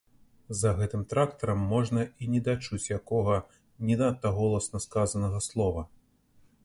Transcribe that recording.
За гэтым трактарам можна і не дачуць якога, не надта голасна сказанага, слова.